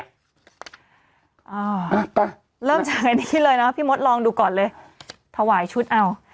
อ่าไปเริ่มจากอันนี้เลยนะพี่มดลองดูก่อนเลยถวายชุดเอา